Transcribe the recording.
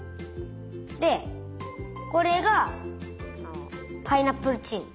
でこれがパイナップルチーム。